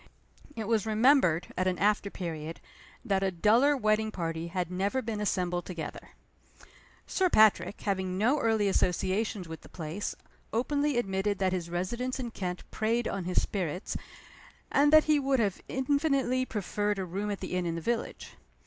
It was remembered, at an after period, that a duller wedding party had never been assembled together. Sir Patrick, having no early associations with the place, openly admitted that his residence in Kent preyed on his spirits, and that he would have infinitely preferred a room at the inn in the village.